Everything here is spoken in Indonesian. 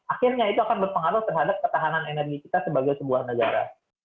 akhirnya itu akan berpengaruh terhadap ketahanan energi kita sebagai sebuah negara